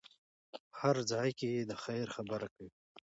په هر ځای کې د خیر خبره کوئ.